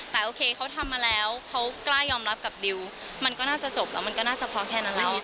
แต่โอเคเขาทำมาแล้วเขากล้ายอมรับกับดิวมันก็น่าจะจบแล้วมันก็น่าจะพอแค่นั้นแล้ว